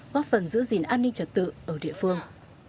góp phần giữ gìn an ninh trật tự ở địa phương